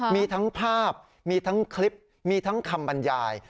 มีทั้งภาพมีทั้งคลิปมีทั้งคำบรรยาย